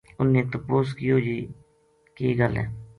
انھ نے تپوس کیو جی کے گل ہے